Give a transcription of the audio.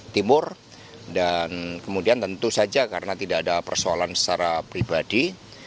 timur dan kemudian tentu saja karena tidak ada persoalan secara pribadi